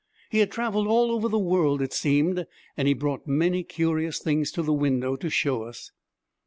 He had traveled all over the world, it seemed, and he brought many curious things to the window to show us.